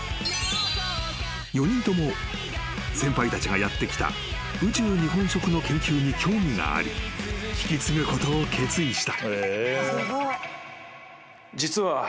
［４人とも先輩たちがやってきた宇宙日本食の研究に興味があり引き継ぐことを決意した］